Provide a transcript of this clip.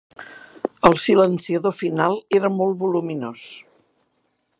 El silenciador final era molt voluminós.